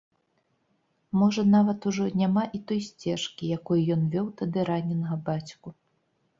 Можа, нават ужо няма і той сцежкі, якой ён вёў тады раненага бацьку.